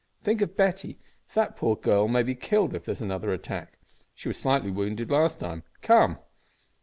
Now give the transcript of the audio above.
Think of Betty; that poor girl may be killed if there is another attack. She was slightly wounded last time. Come!"